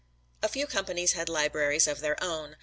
A few companies had libraries of their own.